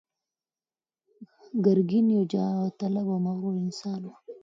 ګرګين يو جاه طلبه او مغرور انسان و.